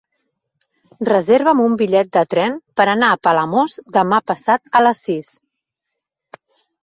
Reserva'm un bitllet de tren per anar a Palamós demà passat a les sis.